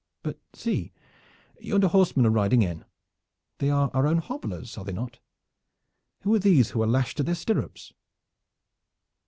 But see, yonder horsemen are riding in. They are our own hobblers, are they not? And who are these who are lashed to their stirrups?"